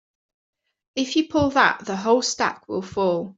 If you pull that the whole stack will fall.